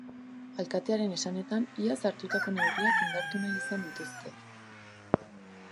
Alkatearen esanetan, iaz hartutako neurriak indartu nahi izan dituzte.